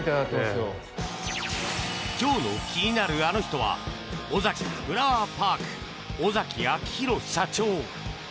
今日の気になるアノ人はオザキフラワーパーク尾崎明弘社長。